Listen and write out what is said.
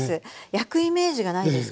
焼くイメージがないですか？